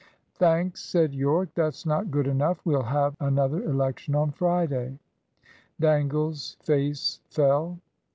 "Thanks," said Yorke, "that's not good enough. We'll have another election on Friday." Dangle's face fell.